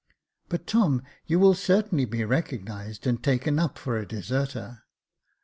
" But, Tom, you will certainly be recognised and taken up for a deserter."